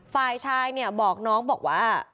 ฝ่ายชายบอกน้องว่า